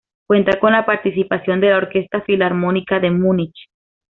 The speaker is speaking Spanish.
Cuenta con la participación de la Orquesta Filarmónica de Múnich.